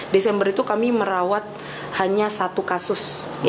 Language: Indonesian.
desember itu kami merawat hanya satu kasus